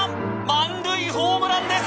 満塁ホームランです